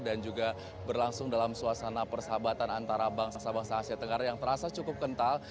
dan juga berlangsung dalam suasana persahabatan antara bangsa bangsa asia tenggara yang terasa cukup kental